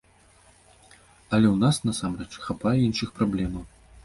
Але ў нас, насамрэч, хапае і іншых праблемаў.